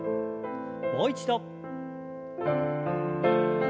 もう一度。